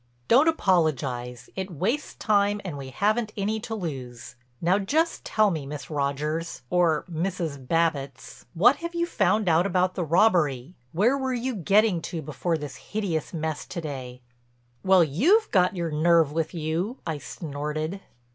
"Don't apologize—it wastes time and we haven't any to lose. Now just tell me Miss Rogers, or Mrs. Babbitts, what have you found out about the robbery; where were you getting to before this hideous mess to day?" "Well, you've got your nerve with you!" I snorted.